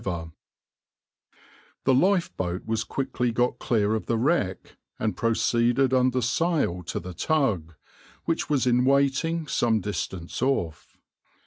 \par The lifeboat was quickly got clear of the wreck, and proceeded under sail to the tug, which was in waiting some distance off.